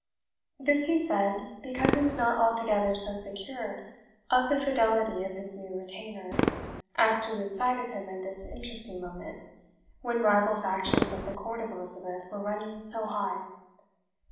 This he said, because he was not altogether so secure of the fidelity of his new retainer as to lose sight of him at this interesting moment, when rival factions at the court of Elizabeth were running so high.